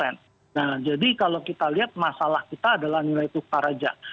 nah jadi kalau kita lihat masalah kita adalah nilai tukar aja